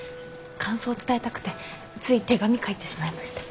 感想を伝えたくてつい手紙書いてしまいました。